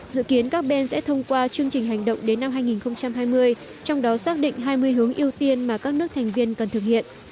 dự kiến các bên sẽ thông qua chương trình hành động đến năm hai nghìn hai mươi trong đó xác định hai mươi hướng ưu tiên mà các nước thành viên cần thực hiện